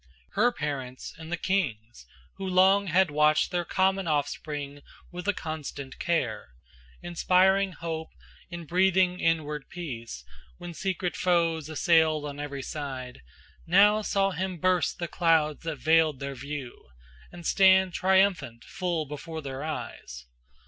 Her parents and the king's, who long had watched Their common offspring with a constant care, Inspiring hope and breathing inward peace When secret foes assailed on every side, Now saw him burst the clouds that veiled their view And stand triumphant full before their eyes.